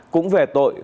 cũng về tội